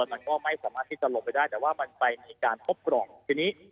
มันก็ไม่สามารถที่จะหลบไปได้แต่ว่ามันไปมีการพบกล่องทีนี้